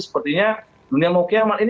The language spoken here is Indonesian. sepertinya dunia mau kiamat ini